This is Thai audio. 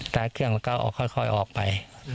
ตาร์เครื่องแล้วก็ค่อยออกไป